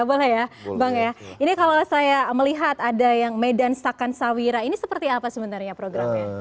boleh ya bang ya ini kalau saya melihat ada yang medan sakan sawira ini seperti apa sebenarnya programnya